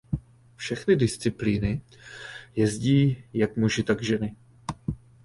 Všechny disciplíny jezdí jak muži tak ženy.